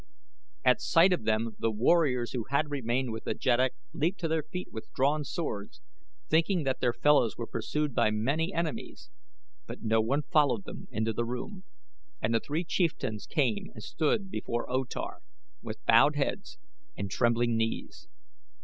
At sight of them the warriors who had remained with the jeddak leaped to their feet with drawn swords, thinking that their fellows were pursued by many enemies; but no one followed them into the room, and the three chieftains came and stood before O Tar with bowed heads and trembling knees.